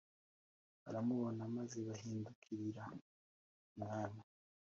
baramubona maze bahindukirira Umwami